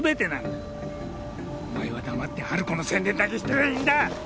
お前は黙って春子の宣伝だけしてりゃいいんだ！